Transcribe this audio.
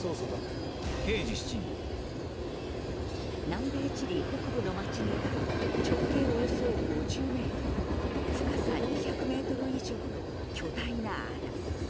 南米チリ北部の町にある直径およそ５０ｍ深さ２００ｍ以上の巨大な穴。